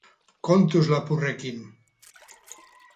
Kontuz lapurrekin!